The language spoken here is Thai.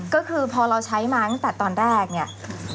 ก็คือพอเราใช้มาตั้งแต่ตอนแรกเนี่ย